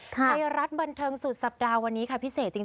ไทยรัฐบันเทิงสุดสัปดาห์วันนี้ค่ะพิเศษจริง